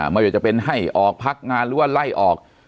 ไม่ว่าจะเป็นให้ออกพักงานหรือว่าไล่ออก